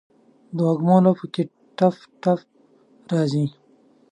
دوږمو لپو کې ټپ، ټپ راځي